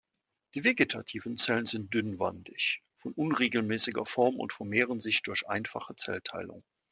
Die vegetativen Zellen sind dünnwandig, von unregelmäßiger Form und vermehren sich durch einfache Zellteilung.